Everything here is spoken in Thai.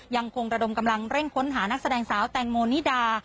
ยังคงระดมกำลังเร่งค้นหานักแสดงสาวแตงโมนิดา